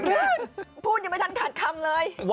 พูดยังไม่ทันขาดคำเลย